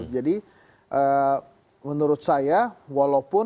jadi menurut saya walaupun